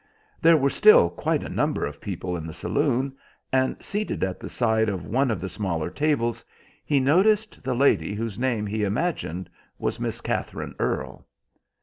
There were still quite a number of people in the saloon, and seated at the side of one of the smaller tables he noticed the lady whose name he imagined was Miss Katherine Earle.